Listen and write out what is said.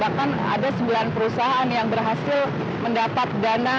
bahkan ada sembilan perusahaan yang berhasil mendapat dana